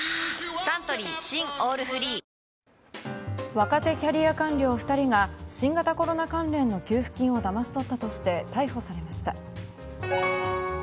若手キャリア官僚２人が新型コロナ関連の給付金をだまし取ったとして逮捕されました。